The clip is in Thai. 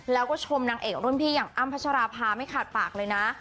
แล้วก็ชมนางเอกรุ่นพี่อย่างอ้ำพัชราภาไม่ขาดปากเลยนะ